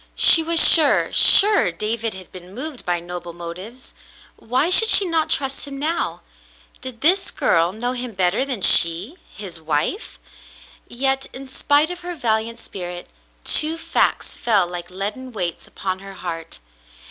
She was sure — sure — David had been moved by noble motives ; why should she not trust him now ? Did this girl know him better than she — his wife .? Yet, in spite of her valiant spirit, two facts fell like leaden weights upon her heart.